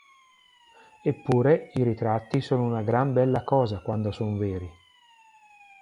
Eppure i ritratti sono una gran bella cosa quando son veri.